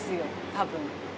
多分。